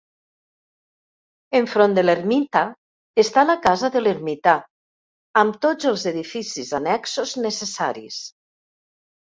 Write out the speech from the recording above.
Enfront de l'ermita està la casa de l'ermità amb tots els edificis annexos necessaris.